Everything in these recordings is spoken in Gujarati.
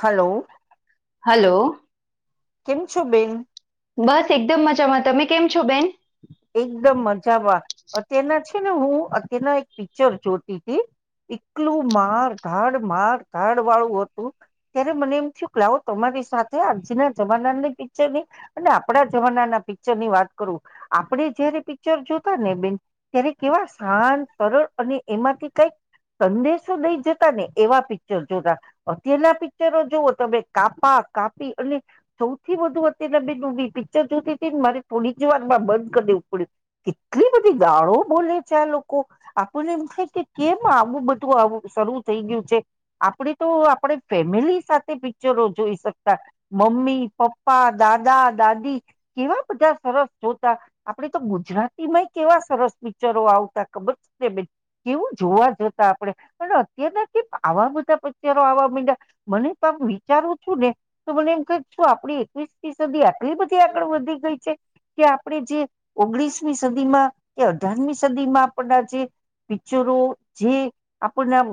હલો હલો કેમ છો બેન બસ એકદમ મજામાં તમે કેમ છો બેન એકદમ મજામાં અત્યારના છે ને હું અત્યારના એક પિક્ચર જોતી હતી એકટલું માર ઘાડ માર ગાડ વાળું હતું ત્યારે મને એમ થયું કે લાવો તમારી સાથે આજના જમાનાની પિક્ચરની અને આપડા જમાનાના પિક્ચર ની વાત કરું આપણે જયારે પિક્ચર જોતા ને બેન ત્યારે કેવા શાંત સરળ અને એમાંથી કઈક સંદેશો લઈ જતા ને એવા પિક્ચર જોતા અત્યારના પિક્ચરો જુઓ તમે કાપા કાપી અને સૌથી વધુ અત્યારના બેની પિક્ચર જોતી હતી ને મારે થોડી જ વાર ડ કેટલી બધી ગાળો બોલે છે આ લોકો આપણને એમ છે કે કેમ આવું બધું આવું શરૂ થઈ ગયું છે આપણે તો આપણે ફેમિલી સાથે પિક્ચરો જોઈ શકતા મમ્મી પપ્પા દાદા દાદી કેવા બધા સરસ જોતા આપ તો ગુજરાતીમાં કેવા સરસ પિક્ચરો આવતા ખબર ને બેન કેવું જોવા જતા આપણે અને અત્યારના કે આવા બધા પિક્ચરો આવવા માં્યા મને પણ વિચારું છું ને તો મને એમ કું આપ એકવીસથી સદી આટલી બધી આગળ વધી ગઈ છે કે આપણે જે ઓગણીસમી સદીમાં કે અઢારમી સદી માં આપણના જે પિક્ચરો જે આપણના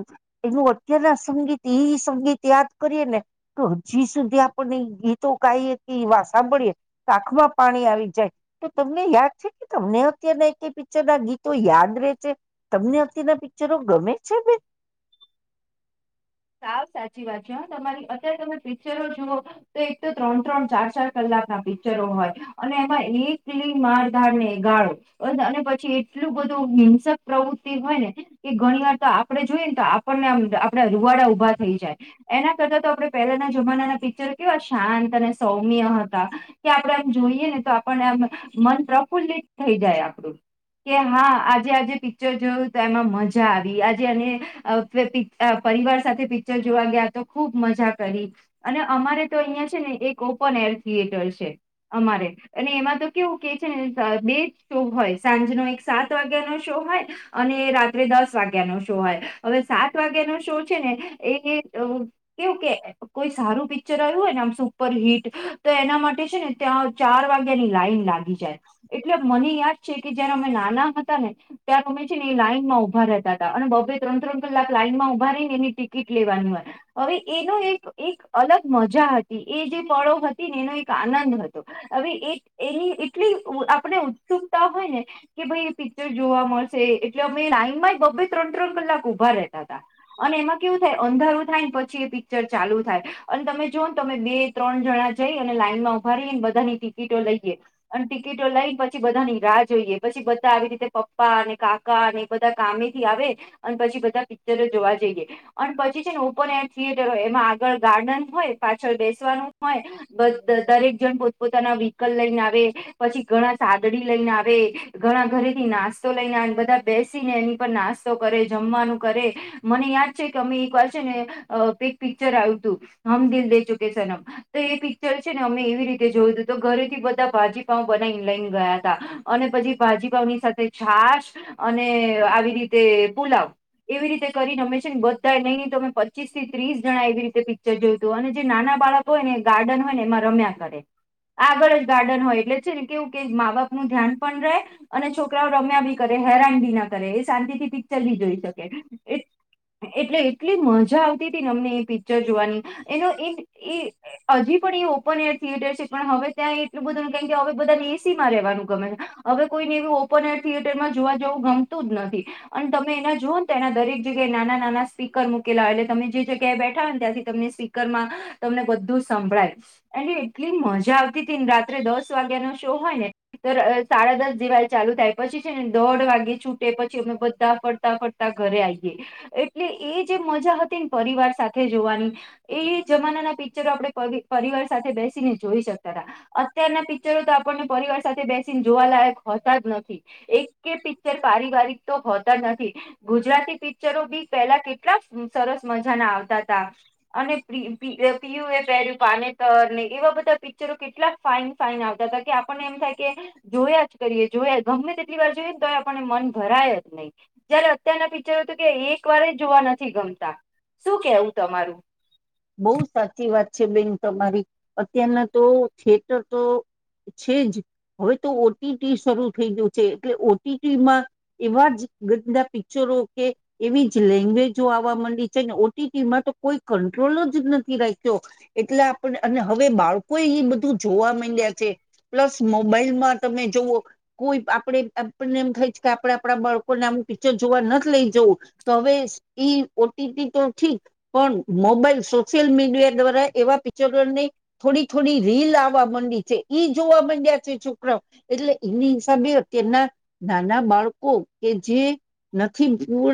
એનું અત્યારના સંગીત એ સંગીત યાદ કરીએ ને તો હજી સુધી આપણને ગીતો ગાઈએ કે એવા સાંભળીએ કાખમાં પાણી આવી જાય તો તમને યાદ છે કે તમને અત્યારના પિક્ચર ના ગીતો યાદ ર છે તમને અત્યારના પિક્ચરો ગમે છે બે સા સાચી વાત છે હ તમારી અત્યારે તમે પિક્ચરો જુઓ તો એક તો ત્રણ ત્રણ ચાર ચાર કલાક ના પિક્ચરો હોય અને એમાં એક મારધારનેગાળો અને પછી એટલું બધું હિંસક પ્રવૃત્તિ હોય ને કે ઘણી વાર તો આપડે જોઈએ ને તો આપણનેમ આપણે રૂવાડા ઉભા થઈ જાય એના કરતા તો આપણે પહેલાના જમાનાના પિક્ચર કેવા શાંત અને સૌમ્ય હતા કે આપણેે આમ જોઈએ ને તો આપને એમ મન પ્રફુલ્લિત થઈ જાય આપણું કે હા આજે આજે પિક્ચર જોયું તો એમાં મજા આવી આજે એને પરિવાર સાથે પિક્ચર જોવા ગયા તો ખૂબ મજા કરી અને અમારે તો અહિયાં છે ને એક ઓપન એર થિયેટર છે અમારે અને એમાં તો કેવું કે છે ને બે શો હોય સાંજનો એક સાત વાગ્યાનોો શો હોય અને રાત્રે દસ વાગ્યાનોો શો હોય હવે સાત વાગ્યાનો છેને કેવું કે કોઈ સારું પિક્ચર આવ્યું હોયને આમ સુપર હિટ તો એના માટે છે ને ત્યાં ચાર વાગ્યાની લાઈન લાગી જાય એટલે મને યાદ છે કે જયારે અમે નાના હતા ને ત્યારે અમે છે ને એ લાઈન માં ઉભા રહેતા હતા અને બબે ત્રણ ત્રણ કલાક લાઈનમાં ઉભા રને એની ટિકિટ લેવાની હોય હવે એનો એક અલગ મજા હતી એ જે પળો હતી ને એનો એક આનંદ હતો હવે એની એટલી આપણે ઉત્સુકતા હોય ને કે ભાઈ એ પિક્ચર જોવા મળશે એટલે અમે ટાઈમમાં બબ્બે ત્રણ ત્રણ કલાક ઉભા રહેતા હતા અને એમાં કેવું થાય અંધારું થાય ને પછી એ પિક્ચર ચાલુ થાય અને તમે જોઓ ને તમે બે ત્રણ જણા જઈ અને લાઈન માં ઉભા રહીને બધાની ટિકિટો લઈએ અને ટિકિટો લઈને પછી બધાની રાહ જોઈએ પછી બધા આવી રીતે પપ્પા અને કાકા બધા કામેથી આવે અને પછી બધા પિક્ચર જોવા જઈએ અને પછી છે ને ઓપન એર થિયેટર હોય એમાં આગળ ગાર્ડન હોય પાછળ બેસવાનું હોય દરેક જણ પોતપોતાના વ્હીકલ લઈને આવે પછી ઘણા સાદડી લઈને આવે ઘણા ઘરેથી નાસ્તો લઈને બધા બેસીને એની પર નાસ્તો કરે જમવાનું કરે મને યાદ છે કે અમે એક વાર છે ને એક પિક્ચર આવ્યું હતું હમ દિલ દે ચુકે છેનમ તો એ પિક્ચર છે ને અમે એવી રીતે જોયું હતું તો ઘરેથી બધા ભાજીપાવ બનાવી લઈ ગયા હતા અને પછી ભાજીપાવની સાથે છાશ અને આવી રીતે પુલાવ એવી રીતે કરી રમે છે ને બધા નઈ નહ તો અમે પચીસ થી ત્રીસ જણા એવી રીતે પિક્ચર જોયતું અને જે નાના બાળકો હોય ને એ ગાર્ડન હોય ને એમાં રમ્યા કરે આગળ જ ગાર્ડન હોય એટલે છે ને કેવું કે મા બાપ નું ધ્યાન પણ રહે અને છોકરાઓ રમ્યા બી કરે હેરાન ભી ના કરે એ શાંતિ થી પિક્ચર ભી જોઈ શકે એટલે એટલી મજા આવતી હતી ને અમને એ પિક્ચર જોવાની એનો એ એ હજી પણ એ ઓપન એર થિયેટર છે પણ હવે ત્યાં એટલું બધુંને ક કે હવે બધાને એસીમાં રહેવાનું ગમે હવે કોઈને એવી ઓપન એર થિયેટરમાં જોવા જેવું ગમતું જ નથી અને તમે એના જોઓ ને તો એના દરેક જગ્યાએ નાના નાના સ્પીકર મૂકેલા હોય એટલે તમે જે જગ્યાએ બેઠા હોય ને ત્યાંથી તમને સ્પીકર માં તમને બધું સંભળાય એ એટલી મજા આવતી હતી ને રાત્રે દસ વાગ્યા નો શો હોય ને તો સાડા દસ દિવાય ચાલુ થાય પછી છે ને દોઢ વાગે છૂટે પછી અમને બધા ફરતા ફરતા ઘરે આવી એટલે એ જે મજા હતી ને પરિવાર સાથે જોવાની એ જમાનાના પિક્ચરો આપણે પરિવાર સાથે બેસીને જોઈ શકતા હતા અત્યારના પિક્ચરો તો આપણને પરિવાર સાથે બેસીને જોવાલાયક હોતા જ નથી એક પિક્ચર પારિવારિક તો હોતા જ નથી ગુજરાતી પિકચ પિક્ચરો બી પહેલા કેટલા સરસ મજાના આવતા હતા અને પીયુ એ પહેર્યું પાનેતર ને એવા બધા પિક્ચરો કેટલા ફાઇન ફાાઈન આવતા હતા કે આપણને એમ થાય કે જોયા જ કરીએ જોયા ગમે તેટલી વાર જોય ને તો આપણને મન ભરાય જ નહીં જયારે અત્યારના પિક્ચરો કે એક વાર જોવા નથી ગમતા શું કેવું તમારું બહુ સાચી વાત છે બેન તમારી અત્યારના તો થિયેટર તો છે જ હવે તો ઓટીટી શરૂ થઈ ગયું છે એટલે ઓટીટીમાં એવા જ બધા પિક્ચરો કે એવી જ લેંગ્વેજો આવવા માંડી છે ને ઓટીટીમાં તો કોઈ ક કોલો જ નથી રાખ્યો એટલે આપણે અને હવે બાળકોએ એ બધું જોવા માંડ્યા છે પ્લસ મોબાઈલમાં તમે જોવઓ કોઈ આપણે આપણને એમ થાય છે કે આપણે આપણા બાળકોને આમ પિક્ચર જોવા નથી લઈ જવું તો હવે ઈ ઓટીટી તો ઠીક પણ મોબાઈલ સોશિયલ મીડિયા દ્વારા એવા પિક્ચરોને થોડી થોડી રીલ આવવા માંડી છે ઈ જોવા માંડ્યા છે છોકરાઓ એટલે એની હિસાબે અત્યના નાના બાળકો કે જે નથી પૂ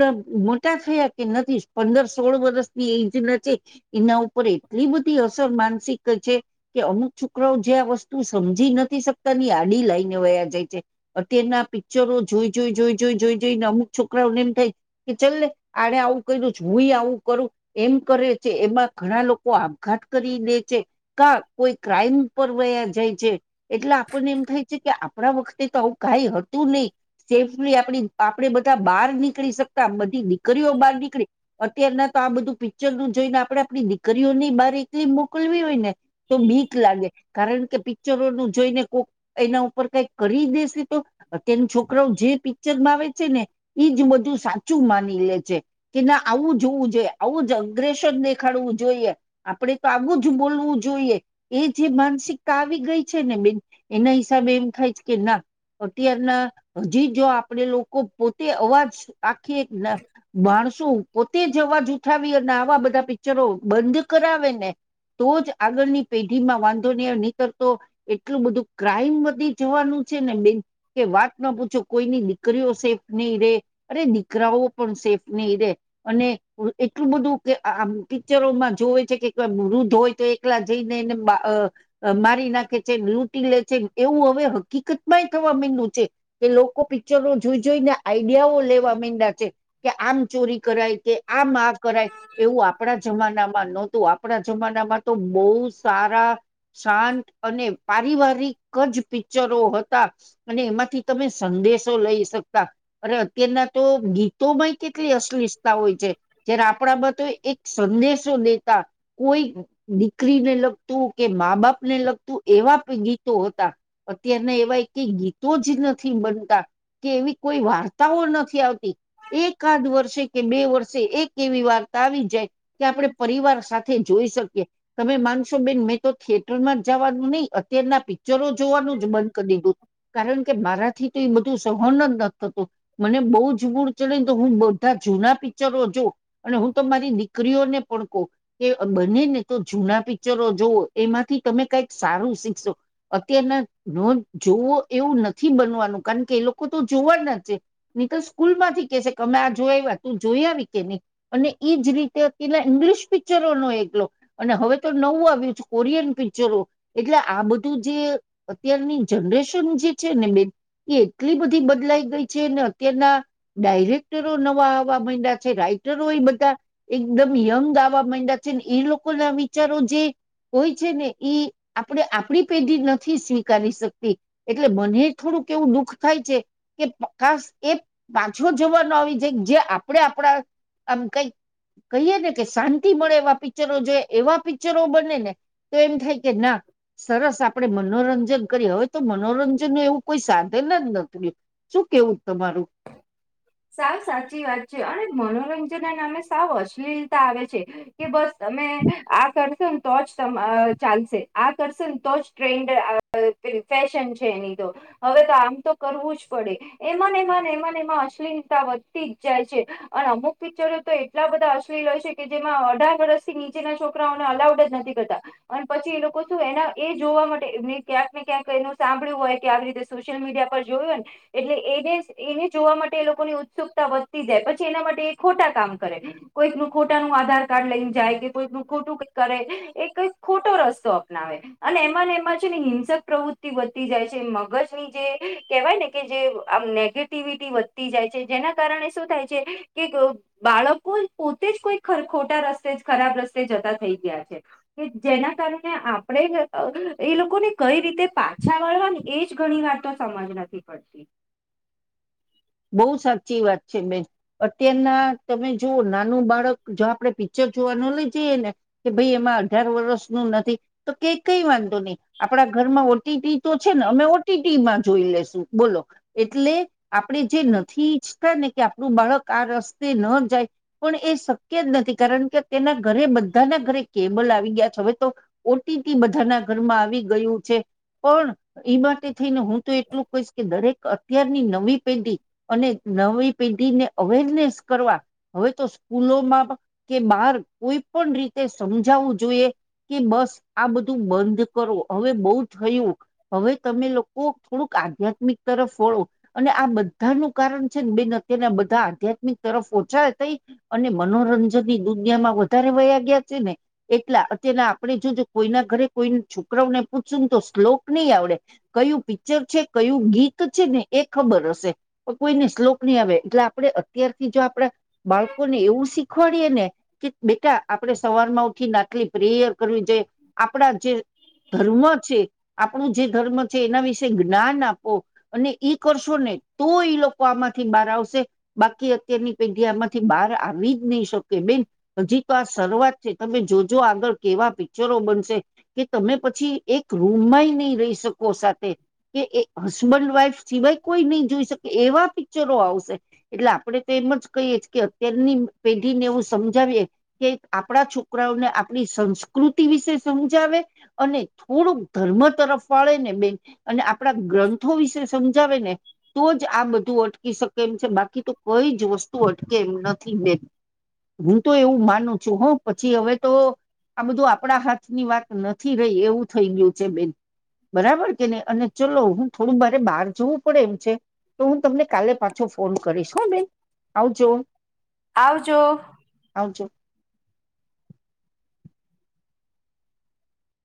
મોટા થયા કે નથી પંદર સોળ વર્ષની એ એના ઉપર એટલી બધી અસર માનસિક છે કે અમુક છોકરાઓ જે આ વસ્તુ સમજી નથી શકતા ની આડી લાઈને વયા જાય છે અત્યારના પિક્ચરો જોઈ જોઈ જોઈ જોઈ જોઈ જોઈને અમુક છોકરાઓને એમ થાય કે ચલ્ આડે આવું કર્યું જોુંય આવું કરું એમ કરે છે એમાં ઘણા લોકો આપઘાત કરી દે છે કા કોઈ ક્રાઈમ પર રહ્યા જાય છે એટલે આપણને એમ થાય છે કે આપણા વખતે તો આવું કઈ હતું નહીિ સેફલી આપણી આપણે બધા બહાર નીકળી શકતા બધી દીકરીઓ બહાર નીકળી અત્યારના તો આ બધું પિક્ચર નું જોઈને આપણે આપણી દીકરીઓની બાર એકલી મોકલવી હોય ને તો બીક લાગે કારણ કે પિક્ચરો નું જોઈને કોક એના ઉપર કઈ કરી દેશે તો અત્યનું છોકરા જે પિક્ચર માં આવે છે ને એજ બધું સાચું માની લે છે કે ના આવું જોવું જોઈએ આવું જ અગ્રેસર દેખાડવું જોઈએ આપણેે તો આવું જ બોલવું જોઈએ એજ જે માનસિકતા આવી ગઈ છે ને બેન એના હિસાબે એમ થાય છે કે ના અત્યારના હજી જો આપડે લોકો પોતે અવાજ આખી એક માણસો પોતે જ અવાજ ઉઠાવી અને આવા બધા પિક્ચરો બંધ કરાવે ને તો જ આગળની પેઢી માં વાંધો નહી નીતર તો એટલું બધું ક્રાઈમ વધી જવાનું છે ને બેન કે વાત ન પૂછો કોઈની દીકરીઓ સેફ નહીં રે અરે દીકરાઓ પણ સેફ નહી રે અને એટલું બધું કે આમ પિક્ચરોમાં જોવે છે કે વૃદ્ધ હોય તો એકલા જઈને એને મારી નાખે છે લૂટી લે છે એવું હવે હકીકતમાંય થવા માં્યું છે કે લોકો પિક્ચરો જોઈ જોઈને આઈડિયાઓ લેવા માં્યા છે કે આમ ચોરી કરાય કે આમ કરાય એવું આપણા જમાનામાં નહોતું આપણા જમાનામાં તો બહુ સારા શાંત અને પારિવારિક જ પિક્ચરો હતા અને એમાંથી તમે સંદેશો લઈ શકતા અ અત્યારના તો ગી તો ભાઈ કેટલી અશ્લષતા હોય છે જયારે આપણામાં તો એક સંદેશો લેતા કોઈ દીકરીને લગ કે મા બાપ ને લગતું એવા ગીતો હતા અત્યારના એવાય કઈ ગીતો જ નથી બનતા કે એવી કોઈ વાર્તાઓ નથી આવતી એકાદ વર્ષે કે બે વર્ષે એક કેવી વાર્તા આવી જાય કે આપણે પરિવાર સાથે જોઈ શકીએ તમે માનશો બેન મેં તો થિયેટરમાં જ જવાનું નહી અત્યારના પિક્ચરો જોવાનું જ બંધ કરી દીધું કારણ કે મારાથી તો એ બધું સહન જ ન થતું મને બહુ જ મૂળ ચડીને તો હું બધા જૂના પિક્ચરો જો અને હું તો મારી દીકરીઓને પણ કહ કે બને ને તો જૂના પિક્ચરો જોવો એમાંથી તમે કઈક સારું શીખશો અત્યારના જોવો એવું નથી બનવાનું કારણ કે એ લોકો તો જોવાના જ છે નિકલ સ્કૂલ માંથી કેશે કે અમે આ જોયા્યા તું જોયા આવી કે નહી અને એજ રીતેના ઇંગ્લિશ પિક્ચરો નો એકલો અને હવે તો નવું આવ્યું છે કોરિયન પિક્ચરો એટલે આ બધું જે અત્યારની જનરેશન જે છે ને બે એ એટલી બધી બદલાઈ ગઈ છે ને અત્યારના ડાયરેક્ટરો નવા આવવા મહિ્યા છે રાઈટ જરૂ એ બધા એક એકદમ યંગ દાવા માંડ્યા છે ને એ લોકોના વિચારો જે હોય છે ને એ આપણે આપડી પેઢી નથી સ્વીકારી શકતી એટલે મને થોડુંક એવું દુઃખ થાય છે કેશ એ પાછો જવાનો આવી જાય જે આપણે આપણા આમ કઈક કહીએ ને કે શાંતિ મળે એવા પિક્ચરો જો એવા પિક્ચરો બને ને તો એમ થાય કે ના સરસ આપ આપણે મનોરંજન કરીએ હોય તો મનોરંજન ન એવું કોઈ સાધન જ નતું શું કેવું તમારું સાવ સાચી વાત છે અને મનોરંજન ના નામે સાવ અશ્લીલતા આવે છે કે બસ તમે આ કર ને તો જ ચાલશે આ કરશે ને તો જ ટ્રેન્ડ ફેશન છે એની તો હવે તો આમ તો કરવું જ પડે એમાંને એમાં એમાંને એમાં અશ્તા વધતી જ જાય છે અને અમુક પિક્ચરો તો એટલા બધા અશ્લીલ હોય છે કે જેમાં અઢાર વર્ષથી નીચેના છોકરાઓને અલાઉડ જ નથી કરતા અને પછી એ લોકો શું એના એ જોવા માટે એ ક્યાંક ને ક્યાંક એનું સાંભળ્યું હોય કે આવી રીતે સોશિયલ મીડિયા પર જોયું હો ને એટલે એને એને જોવા માટે ની ઉત્સુકતા વધતી જાય પછી એના માટે એ ખોટા કામ કરે કોઈક ન ખોટાનું આધાર કાર્ડ લઈને જાય કે કોઈકનું ખોટું કરે એ કઈક ખોટો રસ્તો અપનાવે અને એમાં એમાં છે ને હિંસક પ્રવૃત્તિ વધતી જાય છે મગજની જે કહેવાય ને કે જે આ નેગેટિવિટી જાય છે જેના કારણે શું થાય છે કે બાળકો પોતે જ કોઈ ખોટા રસ્તે ખરાબ રસ્તે જતા થઈ ગયા છે કે જેના કારણે આપણે એ લોકોને કઈ રીતે પાછા મળવાની એજ ઘણી વાર તો સમજ નથી પડતી બઉુ સાચી વાત છે બેન અત્યારના તમે જો નાનું બાળક જો આપણે પિક્ચર જોવાનું લઈ જઈએ ને કે ભાઈ એમાં અઢાર વર્ષ ન નથી તો ક કઈ વાંધો નહી આપડા ઘરમાં ઓટીટી તો છે ને અમે ઓટીટીમાં જોઈ લેશું બોલો એટલે આપણે જે નથી ્છ ને કે આપણું બાળક આ રસ્તે ન જાય પણ એ શક્ય જ નથી કારણ કે તેના ઘરે બધાના ઘરે કેબલ આવી ગયા છે હવે તો ઓટીટી બધાના ઘરમાં આવી ગયું છે પણ એ માટે થઈને હું તો એટલું કહીશ કે દરેક અત્યારની નવી અને નવી પેઢીને અવેરનેસ કરવા હવે તો સ્કૂલોમાં કે બાર કોઈ પણ રીતે સમજાવવું જોઈએ કે બસ આ બધું ધુ બંધ કરો હવે બઉ થયું હવે તમે લોકો થોડુંક આધ્યાત્મિક તરફ વળો અને આ બધાનું કારણ છે ન બેન અત્યના બધા આધ્યાત્મિક તરફ ઓછા થઈ અને મનોરંજનની દુનિયામાં વધારે વયા ગયા છે ને એટલા અત્યાર ના આપડે જોજો કોઈના ઘરે કોઈ છોકરાઓને પૂછશું ને તો શ્લોક નહી આવડે કયું પિક્ચર છે કયું ગીત છે ને એક ખબર હશે પણ કોઈને શ્લોક નહી આવે એટલે આપણે અત્યારથી જો આપડા બાળકોને એવું શીખવાડીએે ને કે બેટા આપડે સવાર માં ઉઠીન આટલી પ્રેયર કરવી જોઈએ આપણા જે ધર્મ છે આપણું જે ધર્મ છે એના વિશે જ્ઞાન આપો અને ઈ કરશો ને તો એ લોકો આમાંથી બહાર આવશે બાકી અત્યારની પેઢી આમાંથી બહાર આવી જ નહી શકે બેન હજી તો આ શરૂઆત છે તમે જોજો આગળ કેવા પિક્ચરો બનશે કે તમે પછી એક રૂમમાં ય નહી રહી શકો સાથે કે એ હસબન્ડ વાઈફ કોઈ નઈ જોઈ શકે એવા પિક્ચરો આવશે એટલે આપડે તો એમ જ કહીએ છ કે અત્યારની પેઢીને એવું સમજાવીએ કે આપડા છોકરાઓને આપણી સંસ્કૃતિ વિશે સમજાવે અને થોડુંક ધર્મ તરફ વાળે ને બેન અને આપણા ગ્રંથો વિશે સમજાવે ને તો જ આ બધું અટકી શકે એમ છે બાકી તો કઈ જ વસ્તુ અટકે એમ નથી બેન હું તો એવું માનું છું હ પછી હવે તો આ બધું આપડા હાથની વાત નથી રહી એવું થઈ ગયું છે બેન બરાબર કે નઈ અને ચલો હું થોડું બા બાર જવું પડે એમ છે તો હું તમને કાલે પાછો ફોન કરીશ હોં બેન આવજો આવજો આવજો